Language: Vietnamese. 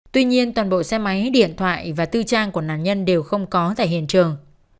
tuy nhiên toàn bộ xe máy điện thoại và tư trang của nạn nhân đều không có tại hiện trường